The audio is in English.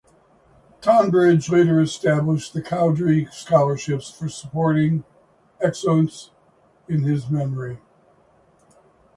Tonbridge later established the Cowdrey Scholarships for sporting excellence in his memory.